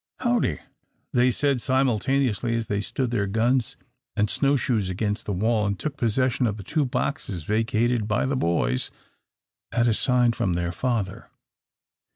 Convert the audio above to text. "Howdye," they said simultaneously, as they stood their guns and snow shoes against the wall, and took possession of the two boxes vacated by the boys at a sign from their father.